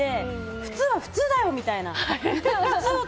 普通は普通だよみたいな。